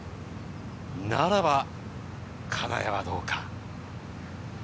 ならば、金谷はどうか？